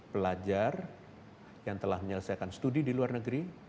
pelajar yang telah menyelesaikan studi di luar negeri